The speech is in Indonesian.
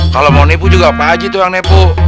kalau mau nipu juga pakji tuh yang nipu